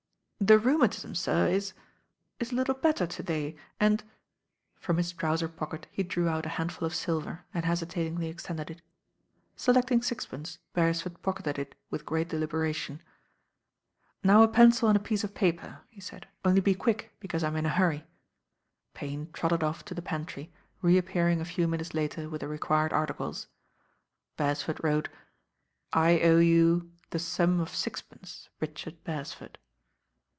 "The rheumatism, sir, is — is a little better to day, and " From his trouser pocket he drew out a handful of silver and hesitatingly extended it. Selecting sixpence Beresford pocketed it with great deliberation. "Now a pencil and a piece of paper," he said, "only b.? q iick, because I'm in a hurry." Payne trotted off to the pantry, re appearing a few minutes later with the required articles. Beresford wrote: "I.O.U. the sum of sixpence, Richard Beresford."